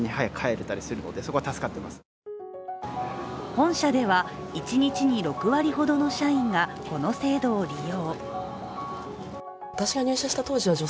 本社では、一日に６割ほどの社員がこの制度を利用。